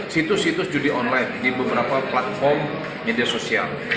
situs situs judi online di beberapa platform media sosial